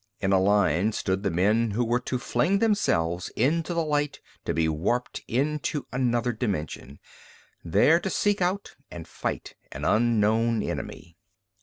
In a line stood the men who were to fling themselves into the light to be warped into another dimension, there to seek out and fight an unknown enemy.